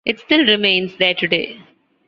It still remains there today.